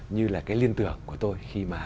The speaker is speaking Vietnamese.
như là cái liên tưởng của tôi khi mà